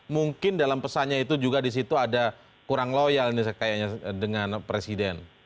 mungkin dalam pesannya itu juga disitu ada kurang loyal nih sekayanya dengan presiden